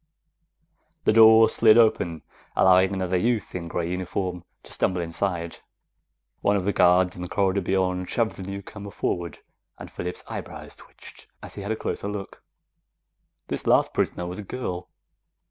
The door slid open, allowing another youth in gray uniform to stumble inside. One of the guards in the corridor beyond shoved the newcomer forward, and Phillips' eyebrows twitched as he had a closer look. This last prisoner was a girl.